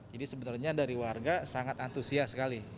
jadi sebenarnya dari warga sangat antusias sekali